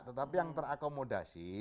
tetapi yang terakomodasi